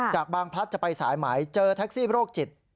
จากบางพลัดจะไปสายไหมเจอแท็กซี่โรคจิต